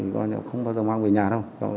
không bao giờ mang về nhà đâu